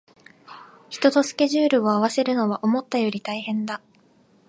人とスケジュールを合わせるのは思ったより大変だ